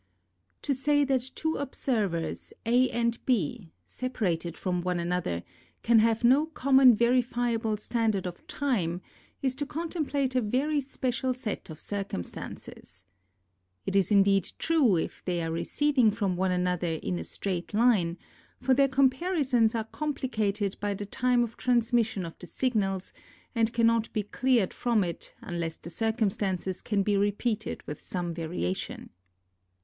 To say that two observers, A and B, separated from one another, can have«no common verifiable standard of time, is to contemplate a very special set of circum stances. It is indeed true if they are receding from one another in a straight line, for their comparisons are complicated by the time of transmission of the signals, and cannot be cleared from it unless the circumstances can be repeated with some variation.